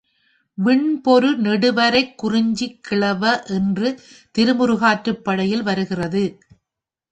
விண்பொரு நெடுவரைக் குறிஞ்சிக் கிழவ என்று திருமுருகாற்றுப்படையில் வருகிறது.